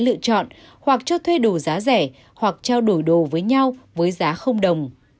lựa chọn hoặc cho thuê đồ giá rẻ hoặc trao đổi đồ với nhau với giá không đồng